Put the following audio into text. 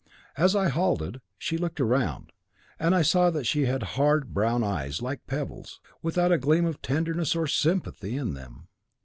As I halted, she looked round, and I saw that she had hard, brown eyes, like pebbles, without a gleam of tenderness or sympathy in them.